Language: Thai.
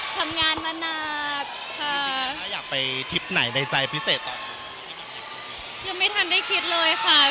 ทำงานมานานค่ะอยากไปทิพย์ไหนในใจพิเศษยังไม่ทันได้คิดเลยค่ะ